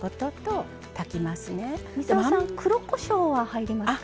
操さん黒こしょうは入りますか？